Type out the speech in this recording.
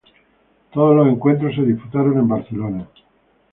Todos los encuentros se disputaron en Barcelona.